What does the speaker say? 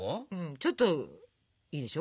ちょっといいでしょ？